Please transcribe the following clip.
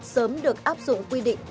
sớm được áp dụng quy định